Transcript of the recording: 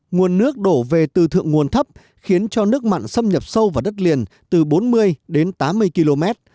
nguồn nước đổ về từ thượng nguồn thấp khiến cho nước mặn xâm nhập sâu vào đất liền từ bốn mươi đến tám mươi km